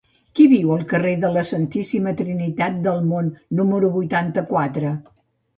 Qui viu al carrer de la Santíssima Trinitat del Mont número vuitanta-quatre?